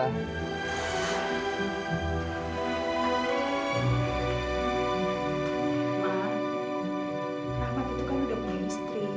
ma rahmat itu kan sudah punya istri